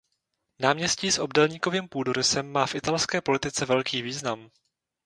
Náměstí s obdélníkovým půdorysem má v italské politice velký význam.